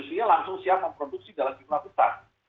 dia langsung siap memproduksi dalam jumlah besar